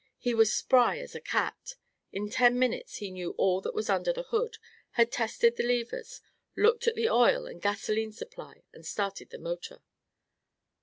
He was spry as a cat. In ten minutes he knew all that was under the hood, had tested the levers, looked at the oil and gasoline supply and started the motor.